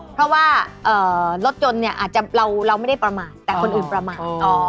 เพราะว่ารถยนต์เราไม่ได้ประมาณแต่คนอื่นประมาณ